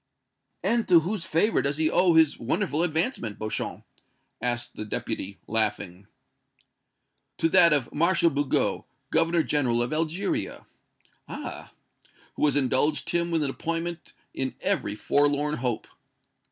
"And to whose favor does he owe his wonderful advancement, Beauchamp?" asked the Deputy, laughing. "To that of Marshal Bugeaud, Governor General of Algeria." "Ah!" "Who has indulged him with an appointment in every forlorn hope!"